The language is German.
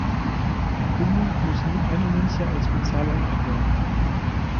Der Kunde muss nur eine Münze als Bezahlung einwerfen.